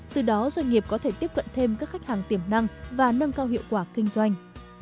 từ đó doanh nghiệp có thể tiếp cận thêm các khách hàng tiềm năng và nâng cao hiệu quả kinh doanh